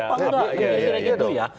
pak udah kira kira gitu ya